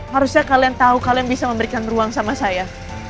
harusnya kalian tahu kalian bisa memberikan ruang sama saya